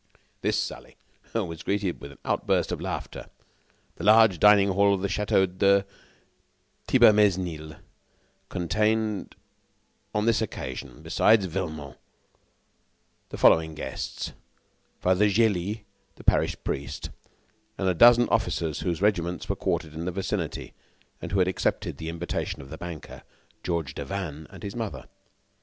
This sally was greeted with an outburst of laughter. The large dining hall of the Château de Thibermesnil contained on this occasion, besides Velmont, the following guests: Father Gélis, the parish priest, and a dozen officers whose regiments were quartered in the vicinity and who had accepted the invitation of the banker Georges Devanne and his mother.